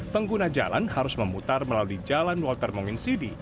pengguna jalan harus memutar melalui jalan walter mongsidi